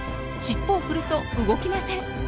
尻尾を振ると動きません。